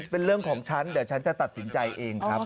เป็นเรื่องของฉันเดี๋ยวฉันจะตัดสินใจเองครับ